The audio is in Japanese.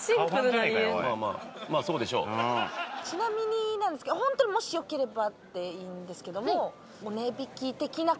ちなみになんですけどホントにもしよければでいいんですけども。お値引き的な事？